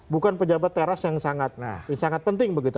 bukan pejabat teras yang sangat penting begitu